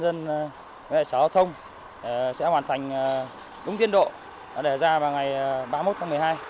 cùng với lại xã hội thông sẽ hoàn thành đúng tiến độ để ra vào ngày ba mươi một tháng một mươi hai